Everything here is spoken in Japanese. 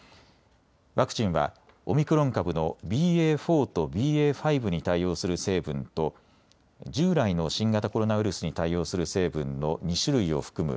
ワクチンはオミクロン株のＢＡ．４とＢＡ．５に対応する成分と従来の新型コロナウイルスに対応する成分の２種類を含む